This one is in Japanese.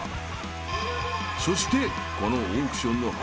［そしてこのオークションの花形３位は］